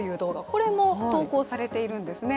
これも投稿されているんですね。